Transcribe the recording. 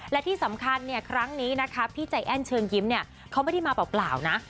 และที่สำคัญครั้งนี้พี่ใจแอ้นเชิญยิ้มเขาไม่ได้มาเปล่านะ